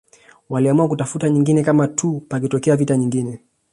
Waliamua kutafuta nyingine kama tuu pakitokea vita nyingine